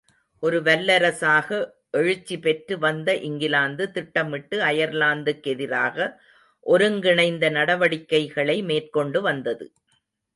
ஒரு வல்லரசாக எழுச்சி பெற்று வந்த இங்கிலாந்து திட்டமிட்டு அயர்லாந்துக்கெதிராக ஒருங்கிணைந்த நடவடிக்கைகளை மேற்கொண்டு வந்தது.